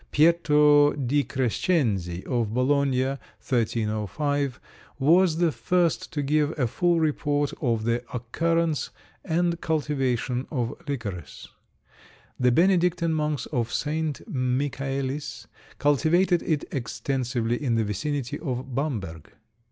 Pietro di Crescenzi of Bologna (1305) was the first to give a full report of the occurrence and cultivation of licorice. The Benedictine monks of St. Michaelis cultivated it extensively in the vicinity of Bamberg.